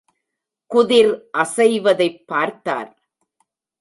குதிர் அசைவதைப் பார்த்தார்.